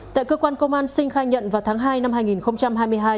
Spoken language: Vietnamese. tại cơ quan công an sinh khai nhận vào tháng hai năm hai nghìn hai mươi hai